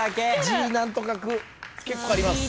「じ」何とか「く」結構あります。